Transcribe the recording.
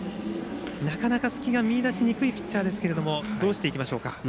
なかなか、隙が見いだしづらいピッチャーですがどうしていきましょうか。